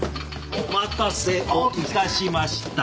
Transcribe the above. お待たせをいたしました。